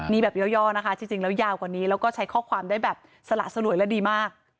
นี่แบบย่อนะคะจริงแล้วยาวกว่านี้แล้วก็ใช้ข้อความได้แบบสละสลวยและดีมาก